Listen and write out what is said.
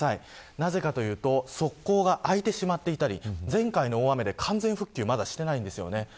なぜかというと側溝が開いてしまっていたり前回の大雨で完全復旧、まだしていないです。